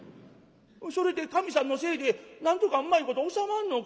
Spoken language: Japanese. それで神さんのせいでなんとかうまいこと収まんのか？